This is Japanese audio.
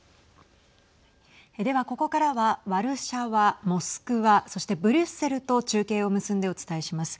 では、ここからはワルシャワ、モスクワそしてブリュッセルと中継を結んでお伝えします。